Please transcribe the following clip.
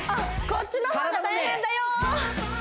こっちの方が大変？